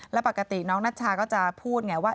แล้วปกติน้องนัชชาก็จะพูดไงว่า